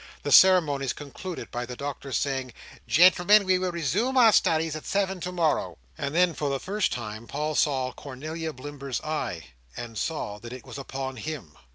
The ceremonies concluded by the Doctor's saying, "Gentlemen, we will resume our studies at seven to morrow;" and then, for the first time, Paul saw Cornelia Blimber's eye, and saw that it was upon him.